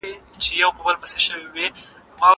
په غوسه کي ئې پټ نازدی